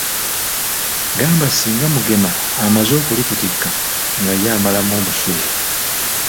Gamba singa Mugema amaze okulikutikka nga ye amalamu omusubi.